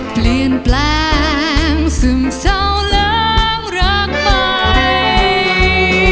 เปลี่ยนแปลงซึมเศร้าแล้วรักใหม่